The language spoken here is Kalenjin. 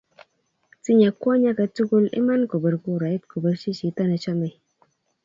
tinye kwony aketukul iman kobir kurait kobirchi chito nechomei